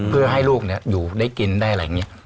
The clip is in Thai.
เพื่อให้ลูกอยู่ได้กินได้อะไรอย่างนี้